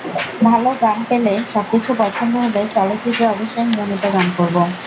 ভালো গান পেলে, সবকিছু পছন্দ হলে চলচ্চিত্রে অবশ্যই নিয়মিত গান করব।